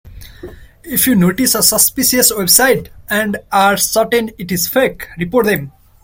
If you notice a suspicious website and are certain it is fake, report them.